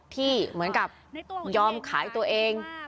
ที่เหมือนกับยอมขายตัวเอง